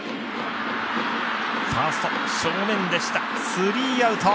スリーアウト。